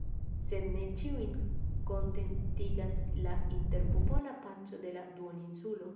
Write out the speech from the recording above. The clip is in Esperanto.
Sed ne ĉiujn kontentigas la interpopola paco en la duoninsulo.